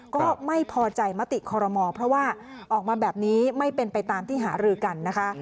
ก็ไม่พอใจมติคอรมอเพราะว่าออกมาแบบนี้ไม่เป็นไปตามที่หารือกันนะคะ